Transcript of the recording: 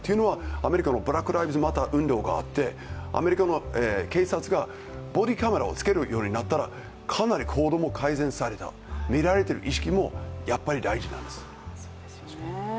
アメリカのブラック・ライブズ・マターという運動があってアメリカの警察がボディカメラをつけるようになったら、かなり行動も改善された見られている意識も大事なんです。